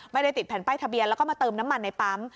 ไม่ได้ติดแผ่นป้ายทะเบียนแล้วก็มาเติมน้ำมันในปั๊ม